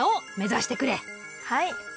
はい！